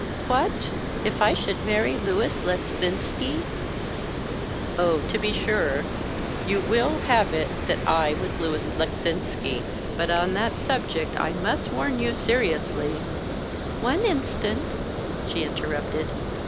"What! if I should marry Louis Leczinski ?" "Oh, to be sure. You will have it that I was Louis Leczinski. But, on that subject, I must warn you seriously " "One instant," she interrupted.